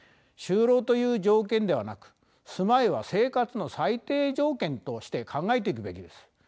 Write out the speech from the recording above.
就労という条件ではなく住まいは生活の最低条件として考えていくべきです。